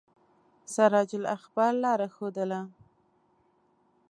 سراج الاخبار لاره ښودله.